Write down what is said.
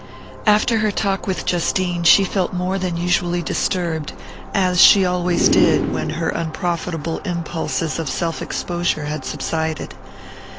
After her talk with Justine she felt more than usually disturbed, as she always did when her unprofitable impulses of self exposure had subsided.